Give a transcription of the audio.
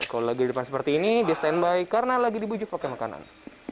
kalau lagi di depan seperti ini dia standby karena lagi dibujuk pakai makanan